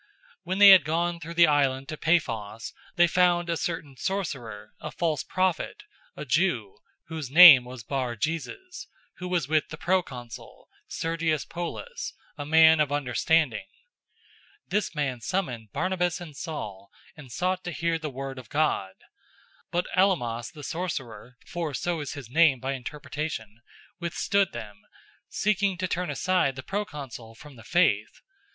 013:006 When they had gone through the island to Paphos, they found a certain sorcerer, a false prophet, a Jew, whose name was Bar Jesus, 013:007 who was with the proconsul, Sergius Paulus, a man of understanding. This man summoned Barnabas and Saul, and sought to hear the word of God. 013:008 But Elymas the sorcerer (for so is his name by interpretation) withstood them, seeking to turn aside the proconsul from the faith.